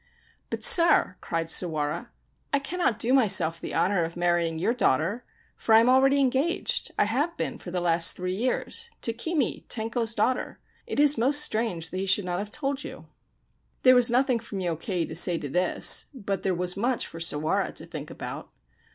* But, sir,' cried Sawara, ' I cannot do myself the honour of marrying your daughter, for I am already engaged — I have been for the last three years — to Kimi, Tenko's daughter. It is most strange that he should not have told you !' 235 Ancient Tales and Folklore of Japan There was nothing for Myokei to say to this ; but there was much for Sawara to think about.